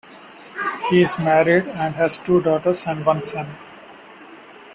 He is married, and has two daughters and one son.